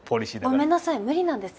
ごめんなさい無理なんです。